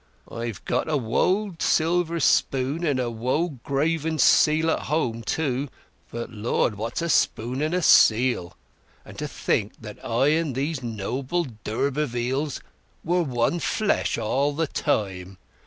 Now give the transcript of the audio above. I've got a wold silver spoon, and a wold graven seal at home, too; but, Lord, what's a spoon and seal?... And to think that I and these noble d'Urbervilles were one flesh all the time.